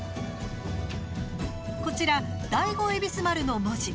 こちら、第五恵比寿丸の文字。